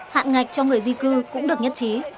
hạn ngạch cho người di cư cũng được nhất trí